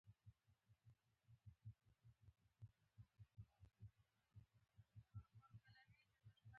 پخو درختو سیوری وي